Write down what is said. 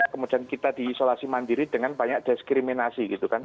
kemudian kita diisolasi mandiri dengan banyak diskriminasi gitu kan